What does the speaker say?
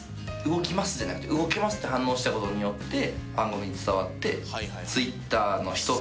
「動きます」じゃなくて「動けます」って反応した事によって番組に伝わって。